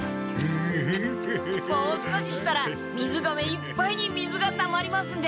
もう少ししたらみずがめいっぱいに水がたまりますんで。